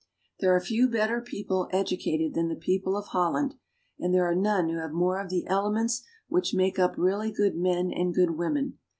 There are few people better educated than the peo ple of Holland, and there are none who have more of the elements which make up really good men and good women.